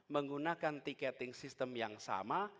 menggunakan tiketing system yang sama